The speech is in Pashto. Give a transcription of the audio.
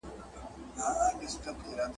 یوه ورځ غویی جلا سو له ګورمه !.